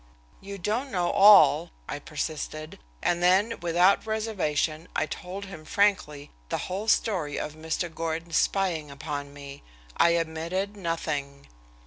"You don't know all," I persisted, and then without reservation I told him frankly the whole story of Mr. Gordon's spying upon me. I omitted nothing.